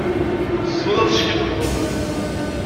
Tessneḍ ad teskiddbeḍ.